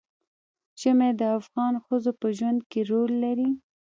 ژمی د افغان ښځو په ژوند کې رول لري.